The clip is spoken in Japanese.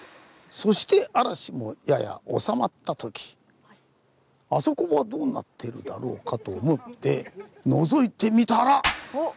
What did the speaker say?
そして嵐もややおさまった時あそこはどうなっているだろうかと思ってのぞいてみたら！